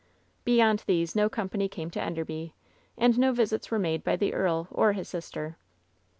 Beyond these no company came to Enderby, and no visits were made by the earl or his sister.